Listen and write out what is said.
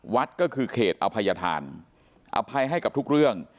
วัดก็คือเขตอภัยธานอภัยให้กับทุกเรื่อง